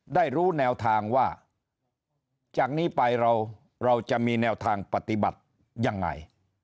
ได้รู้แนวทางว่าจากนี้ไปเราจะมีแนวทางปฏิบัติยังไง